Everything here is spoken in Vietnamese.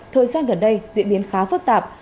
thời gian gần đây diễn biến khá phức tạp